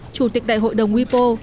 chủ tịch đại hội đồng wipo